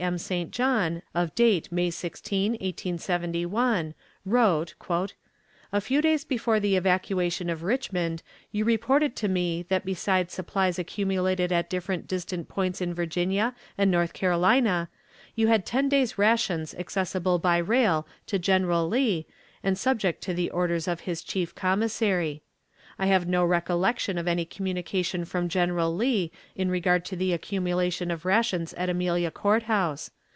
M. St. John, of date May 16, 1871, wrote: "A few days before the evacuation of Richmond you reported to me that besides supplies accumulated at different distant points in Virginia and North Carolina, you had ten days' rations accessible by rail to [General Lee] and subject to the orders of his chief commissary. I have no recollection of any communication from General Lee in regard lo the accumulation of rations at Amelia Court House.